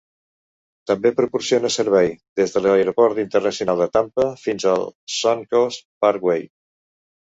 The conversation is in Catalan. També proporciona servei des de l'Aeroport Internacional de Tampa fins al Suncoast Parkway.